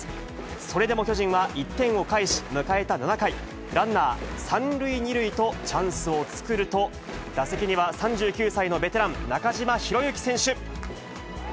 それでも巨人は１点を返し、迎えた７回、ランナー３塁２塁とチャンスを作ると、打席には３９歳のベテラン、中島宏之選手。